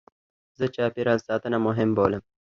زه چاپېریال ساتنه مهمه بولم.